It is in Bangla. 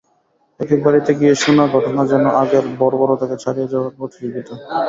একেক বাড়িতে গিয়ে শোনা ঘটনা যেন আগের বর্বরতাকে ছাড়িয়ে যাওয়ার প্রতিযোগিতা।